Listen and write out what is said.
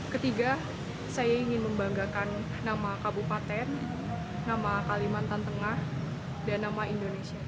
ketiga saya ingin membanggakan nama kabupaten nama kalimantan tengah dan nama indonesia